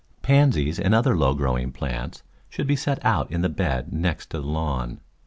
Pansies and other low growing plants should be set out in the bed next the lawn.